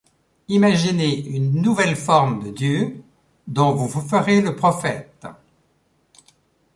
Imaginez une nouvelle forme de Dieu dont vous vous ferez le prophète.